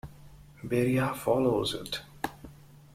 Beri'ah follows it.